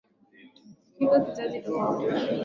kiko kizazi tofauti kabisa